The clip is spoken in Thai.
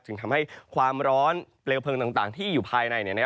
จึงทำให้ความร้อนเปลวเพลิงต่างที่อยู่ภายใน